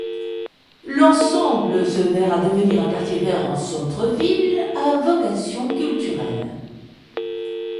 L'ensemble se verra devenir un quartier vert en centre ville à vocation culturelle.